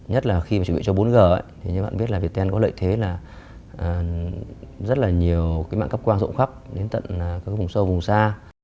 nhất là khi chuẩn bị cho bốn g như các bạn biết là việt nam có lợi thế là rất là nhiều mạng cấp quang rộng khắp đến tận vùng sâu vùng xa